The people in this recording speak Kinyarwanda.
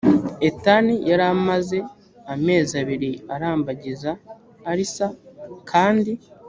ethan yari amaze amezi abiri arambagiza alyssa kandi